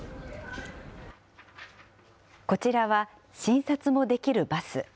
こちらは診察もできるバス。